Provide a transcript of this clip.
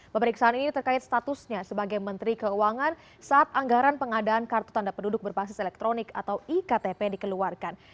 menteri keuangan saat anggaran pengadaan kartu tanda penduduk berbasis elektronik atau iktp dikeluarkan